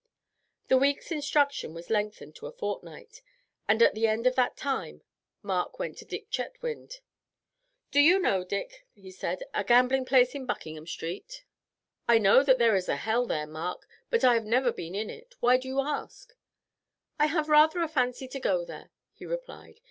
The week's instruction was lengthened to a fortnight, and at the end of that time Mark went to Dick Chetwynd. "Do you know, Dick," he said, "a gambling place in Buckingham Street?" "I know that there is a hell there, Mark, but I have never been in it. Why do you ask?" "I have rather a fancy to go there," he replied.